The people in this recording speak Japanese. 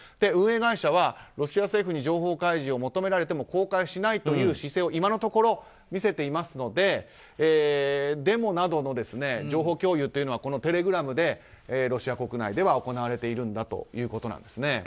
運営会社は、ロシア政府に情報開示を求められても公開しないという姿勢を今のところ見せていますのでデモなどの情報共有はこのテレグラムでロシア国内では行われていると。